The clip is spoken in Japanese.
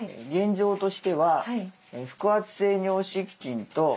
現状としては腹圧性尿失禁と